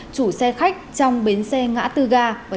chủ xe khách trong bến xe ngã tư ga